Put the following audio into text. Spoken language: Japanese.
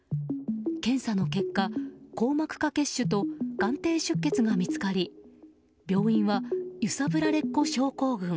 検査の結果、硬膜下血腫と眼底出血が見つかり病院は、揺さぶられっ子症候群